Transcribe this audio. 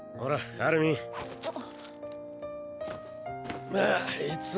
あっ。